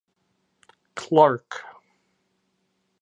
Clarke.